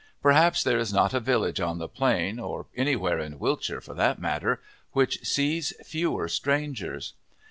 Perhaps there is not a village on the Plain, or anywhere in Wiltshire for that matter, which sees fewer strangers.